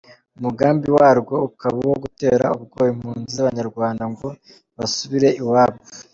Umugambi warwo ukaba uwo gutera ubwoba impunzi z’abanyarwanda ngo basubire iwabo.